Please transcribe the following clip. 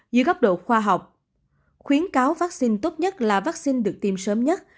dưới góc độ khoa học khuyến cáo vắc xin tốt nhất là vắc xin được tiêm sớm nhất